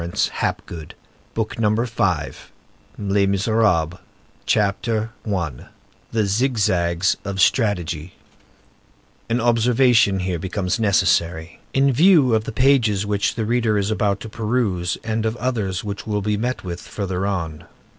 BOOK FIFTH—FOR A BLACK HUNT, A MUTE PACK CHAPTER I—THE ZIGZAGS OF STRATEGY An observation here becomes necessary, in view of the pages which the reader is about to peruse, and of others which will be met with further on.